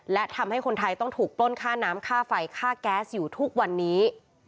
และทำให้คนไทยต้องถูกปล้นค่าน้ำค่าไฟค่าแก๊สอยู่ทุกวันนี้